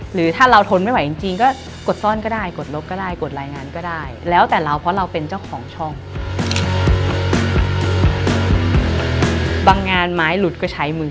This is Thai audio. หรือถ้าเราทนไม่ไหวจริงก็